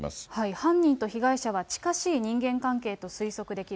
犯人と被害者は近しい人間関係と推測できる。